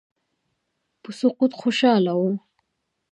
په سقوط خوشاله وه.